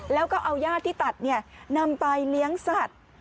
แล้วก็เอายาดที่ตัดนำไปเลี้ยงสัตว์